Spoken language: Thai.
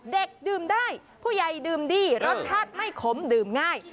เด็กดื่มได้ผู้ใหญ่ดื่มดีรสชาติไม่ขมดื่มง่าย